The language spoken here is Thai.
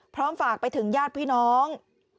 พร้อมฝากไปถึงญาติพี่น้อง